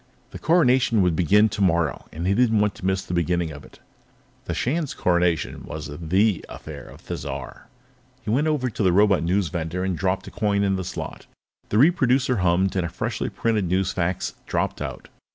The Coronation would begin early tomorrow, and he didn't want to miss the beginning of it. The Shan's Coronation was the affair of Thizar. He went over to the robot newsvender and dropped a coin in the slot. The reproducer hummed, and a freshly printed newsfax dropped out.